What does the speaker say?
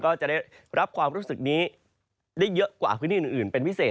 ก็จะได้รับความรู้สึกนี้ได้เยอะกว่าพื้นที่อื่นเป็นพิเศษ